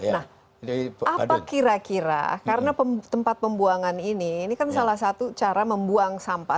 nah apa kira kira karena tempat pembuangan ini ini kan salah satu cara membuang sampah